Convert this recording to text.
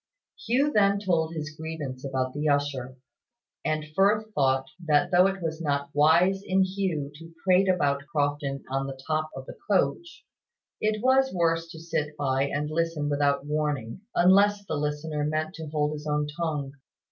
Hugh then told his grievance about the usher, and Firth thought that though it was not wise in Hugh to prate about Crofton on the top of the coach, it was worse to sit by and listen without warning, unless the listener meant to hold his own tongue.